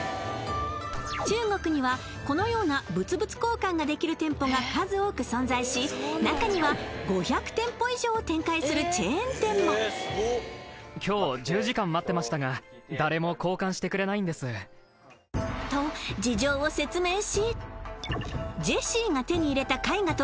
中国にはこのような物々交換ができる店舗が数多く存在し中には５００店舗以上を展開するチェーン店もと事情を説明しジェシーが手に入れた絵画と